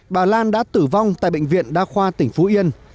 bà lan đã tử vong tại bệnh viện đa khoa tỉnh phú yên